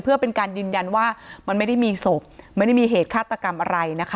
เพื่อเป็นการยืนยันว่ามันไม่ได้มีศพไม่ได้มีเหตุฆาตกรรมอะไรนะคะ